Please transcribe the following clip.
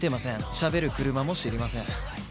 しゃべる車も知りません。